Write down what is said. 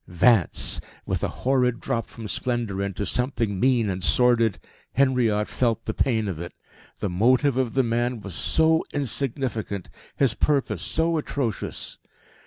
Vance! With a horrid drop from splendour into something mean and sordid, Henriot felt the pain of it. The motive of the man was so insignificant, his purpose so atrocious.